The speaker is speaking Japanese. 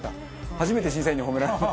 初めて審査員で褒められた。